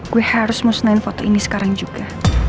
gue harus musnahin foto ini sekarang juga